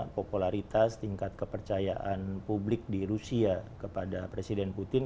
popularitas tingkat kepercayaan publik di rusia kepada presiden putin